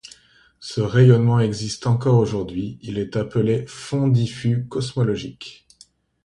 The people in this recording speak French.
Ce rayonnement existe encore aujourd'hui, il est appelé fond diffus cosmologique.